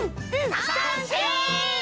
さんせい！